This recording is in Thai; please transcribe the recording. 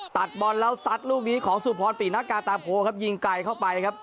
ตัดบอลแล้วซัดลูกนี้ของสุพรปีนักกาตาโพครับยิงไกลเข้าไปครับ